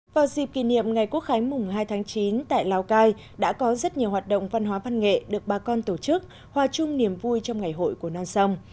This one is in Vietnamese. vào dịp kỷ niệm ngày quốc khánh mùng hai tháng chín tại lào cai đã có rất nhiều hoạt động văn hóa văn nghệ được bà con tổ chức hòa chung niềm vui trong ngày hội của non sông